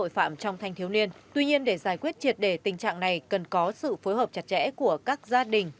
phạm trong thanh thiếu niên tuy nhiên để giải quyết triệt đề tình trạng này cần có sự phối hợp chặt chẽ của các gia đình